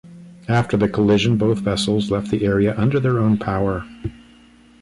After the collision, both vessels left the area under their own power.